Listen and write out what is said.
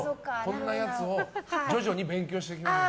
こんなやつを徐々に勉強していきましょう。